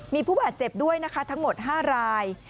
มีผู้บาดเจ็บด้วยนะคะทั้งหมด๕ราย